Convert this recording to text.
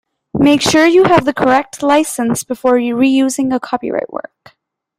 Make sure you have the correct licence before reusing a copyright work